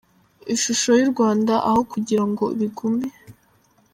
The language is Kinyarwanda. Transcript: ishusho y’u Rwanda aho kugira ngo bigume.